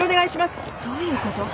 どういうこと？